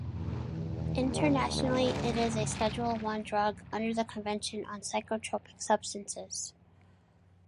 Internationally, it is a Schedule One drug under the Convention on Psychotropic Substances.